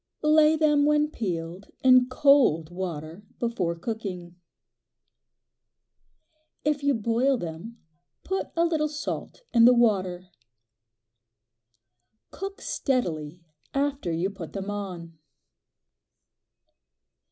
Lay them when peeled in cold water before cooking. If you boil them put a little salt in the water. Cook steadily after you put them on.